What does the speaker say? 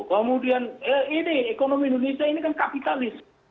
kemudian ini ekonomi indonesia ini kan kapitalis